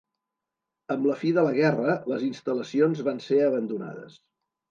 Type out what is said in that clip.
Amb la fi de la guerra, les instal·lacions van ser abandonades.